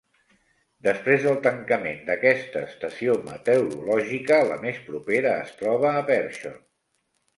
Després del tancament d'aquesta estació meteorològica, la més propera es troba a Pershore.